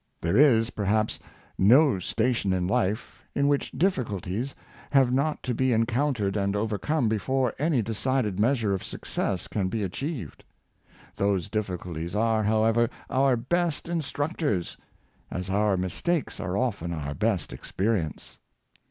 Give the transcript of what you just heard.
There is, perhaps, no station in life, in which difficulties have not to be encountered and overcome before any decided measure of success can be achieved. Those difficulties are, however, our best instructors, as our mistakes are often our best experience.